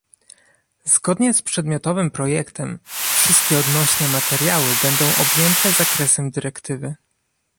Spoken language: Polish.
Zgodnie z przedmiotowym projektem wszystkie odnośne materiały będą objęte zakresem dyrektywy